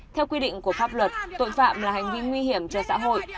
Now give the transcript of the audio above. theo quy định của pháp luật tội phạm là hành vi nguy hiểm cho xã hội